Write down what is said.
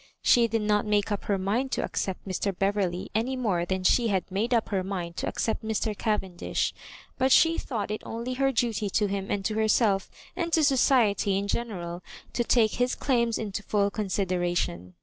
She did not make up her mmd to accept Mr. Bevcrldy any more than she had made up her mind to accept Mr. Cavendish; but she thought it only her duty to him and to herself, and to society in general, to take his claims into full consideration.